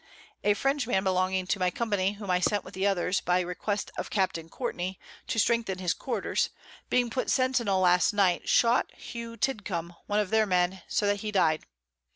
A French man belonging to my Company, whom I sent with others, by request of Capt. Courtney, to strengthen his Quarters, being put Centinel last Night, shot Hugh Tidcomb, one of their Men, so that he died.